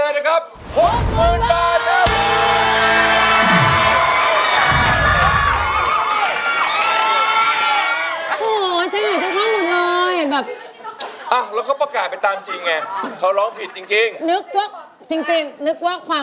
รับไปเลยนะครับ